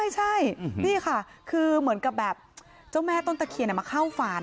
ใช่นี่ค่ะคือเหมือนกับแบบเจ้าแม่ต้นตะเคียนมาเข้าฝัน